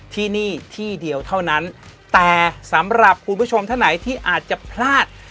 ที่นี่ที่เดียวเท่านั้นแต่สำหรับคุณผู้ชมท่านไหนที่อาจจะพลาด